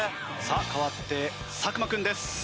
さあ代わって作間君です。